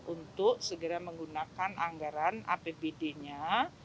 untuk segera menggunakan anggaran apbd nya